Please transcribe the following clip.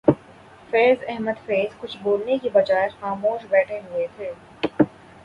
فیض احمد فیض کچھ بولنے کی بجائے خاموش بیٹھے ہوئے تھے